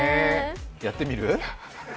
やってみる？